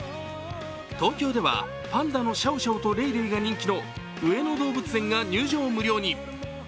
東京ではパンダのシャオシャオとレイレイが人気の上野動物園が入場無料に。